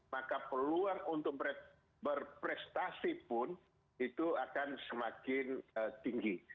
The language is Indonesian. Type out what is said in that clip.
maka peluang untuk berprestasi pun itu akan semakin tinggi